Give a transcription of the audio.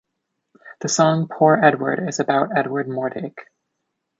The song "Poor Edward" is about Edward Mordake.